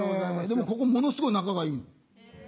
でもここものすごい仲がいい。